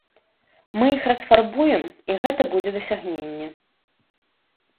Мы іх расфарбуем, і гэта будзе дасягненне.